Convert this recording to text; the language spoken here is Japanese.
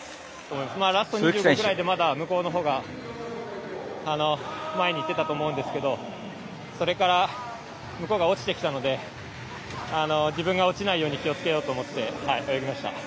ラスト２５くらいでまだ向こうのほうが前に言っていたと思うんですけれどそれから向こうが落ちてきたので自分が落ちないように気をつけようと思ってやりました。